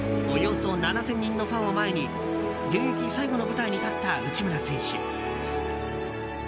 およそ７０００人のファンを前に現役最後の舞台に立った内村選手。